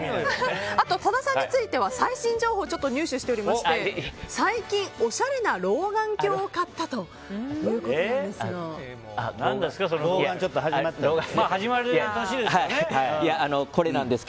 あと多田さんについては最新情報を入手しておりまして最近、おしゃれな老眼鏡を買ったということなんです。